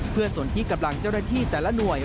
เพื่อส่วนที่กำลังเจ้าหน้าที่แต่ละหน่วย